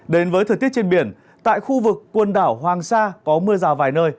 đến với thời tiết trên biển tại khu vực quần đảo hoàng sa có mưa rào vài nơi